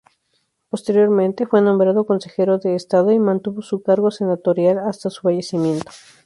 Posteriormente fue nombrado Consejero de Estado y mantuvo su cargo senatorial hasta su fallecimiento.